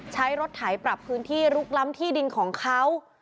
ใช้รถไถปรับพื้นที่ลุกล้ำที่ดินของเขา